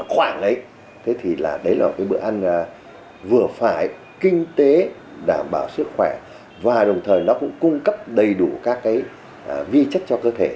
khoảng đấy thì là đấy là bữa ăn vừa phải kinh tế đảm bảo sức khỏe và đồng thời nó cũng cung cấp đầy đủ các vi chất cho cơ thể